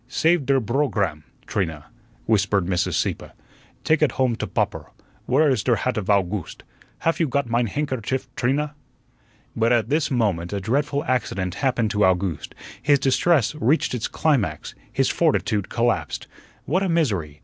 "Save der brogramme, Trina," whispered Mrs. Sieppe. "Take ut home to popper. Where is der hat of Owgooste? Haf you got mein handkerchief, Trina?" But at this moment a dreadful accident happened to Owgooste; his distress reached its climax; his fortitude collapsed. What a misery!